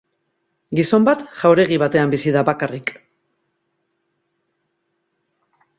Gizon bat jauregi batean bizi da bakarrik.